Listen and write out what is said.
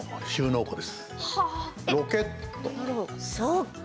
そっか。